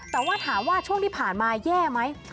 แต่ว่าถามว่าช่วงที่ผ่านมาแย่ไหม